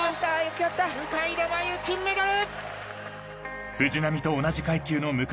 向田真優金メダル！